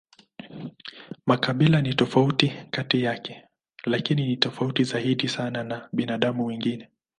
Makabila ni tofauti kati yake, lakini ni tofauti zaidi sana na binadamu wengine.